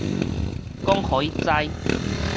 講予伊知